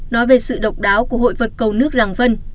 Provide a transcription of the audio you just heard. nói về sự độc đáo của hội vật cầu nước làng vân